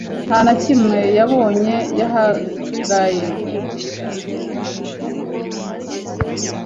nta na kimwe yabonye yahagaye